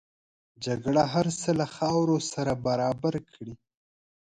جګړه هر څه له خاورو سره برابر کړي